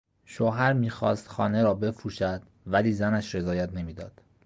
شوهر میخواست خانه را بفروشد ولی زنش رضایت نمیداد.